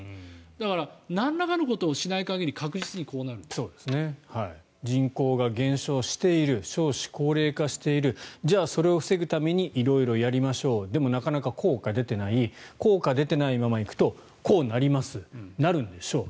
だからなんらかのことをしない限り人口が減少している少子高齢化しているじゃあそれを防ぐために色々やりましょうでも、なかなか効果が出ていない効果が出てないまま行くとこうなりますなるんでしょう。